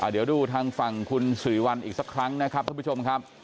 เดี๋ยวดูทางฝั่งคุณสิริวัลอีกสักครั้งนะครับท่านผู้ชมครับ